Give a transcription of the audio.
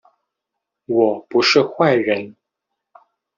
我不是坏人